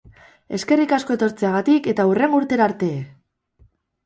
Eskerrik asko etortzeagatik eta hurrengo urtera arte!